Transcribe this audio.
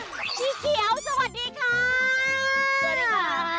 พี่เฮียวสวัสดีค่า